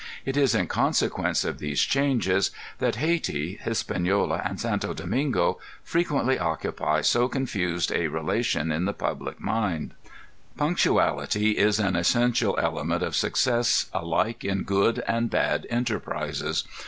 It is in consequence of these changes that Hayti, Hispaniola, and St. Domingo frequently occupy so confused a relation in the public mind. Punctuality is an essential element of success alike in good and bad enterprises.